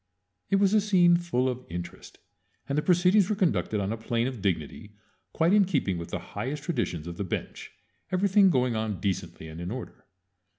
It was a scene full of interest, and the proceedings were conducted on a plane of dignity quite in keeping with the highest traditions of the bench, everything going on decently and in order.